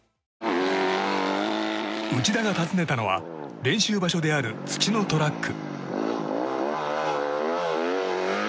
内田が訪ねたのは練習場所である土のトラック。